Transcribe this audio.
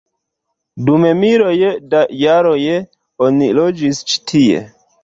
Dum miloj da jaroj oni loĝis ĉi tie.